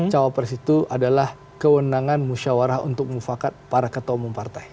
cawapres itu adalah kewenangan musyawarah untuk mufakat para ketua umum partai